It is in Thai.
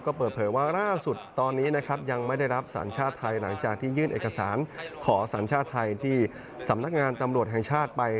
ก็เปิดเผยว่าล่าสุดตอนนี้นะครับยังไม่ได้รับสัญชาติไทยหลังจากที่ยื่นเอกสารขอสัญชาติไทยที่สำนักงานตำรวจแห่งชาติไป